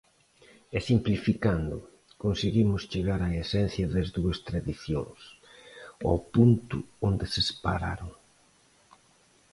E simplificando, conseguimos chegar á esencia das dúas tradicións, ao punto onde se separaron.